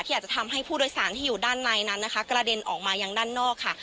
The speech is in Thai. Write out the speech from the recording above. อาจจะทำให้ผู้โดยสารที่อยู่ด้านในนั้นนะคะกระเด็นออกมายังด้านนอกค่ะ